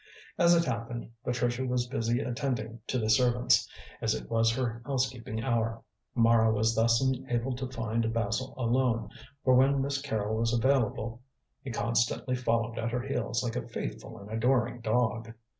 As it happened, Patricia was busy attending to the servants, as it was her housekeeping hour. Mara was thus enabled to find Basil alone, for when Miss Carrol was available he constantly followed at her heels like a faithful and adoring dog.